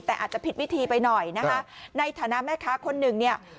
แต่อาจจะผิดวิธีไปหน่อยนะคะในฐานะแม่ค้าคนหนึ่งเนี่ย